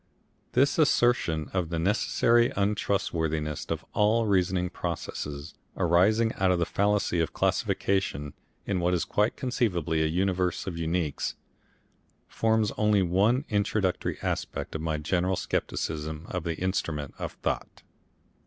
This assertion of the necessary untrustworthiness of all reasoning processes arising out of the fallacy of classification in what is quite conceivably a universe of uniques, forms only one introductory aspect of my general scepticism of the Instrument of Thought.